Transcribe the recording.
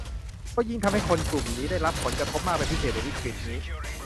ก็ยิ่งทำให้คนกลุ่มนี้ได้รับผลกระทบมากเป็นพิเศษในวิกฤตนี้